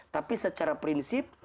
tapi secara prinsip